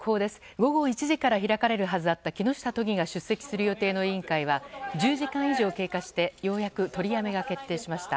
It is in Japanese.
午後１時から開かれるはずだった木下都議が出席する予定の委員会は１０時間以上経過して、ようやく取りやめが決定しました。